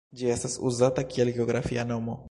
Ĝi estas uzata kiel geografia nomo.